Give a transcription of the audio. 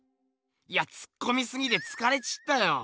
いやツッコミすぎてつかれちったよ。